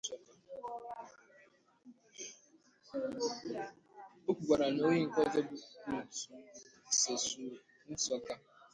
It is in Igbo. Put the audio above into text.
O kwukwara na onye nke ọzọ bụ Ruth Sesuur Tsokar